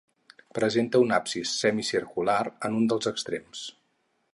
Presenta un absis semicircular en un dels extrems.